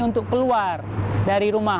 untuk keluar dari rumah